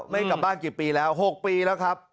ไม่กลับบ้านกี่ปีแล้ว๖ปีแล้วครับ